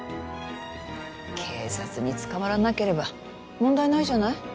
警察に捕まらなければ問題ないじゃない。